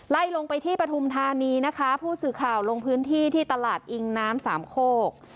ไล่ลงไปที่ปฐุมธานีนะคะผู้สื่อข่าวลงพื้นที่ที่ตลาดอิงน้ำสามโคก